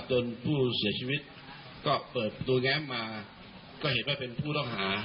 ผู้เสียชีวิตก็เปิดตัวแง้มมาก็เห็นว่าเป็นผู้ต้องหา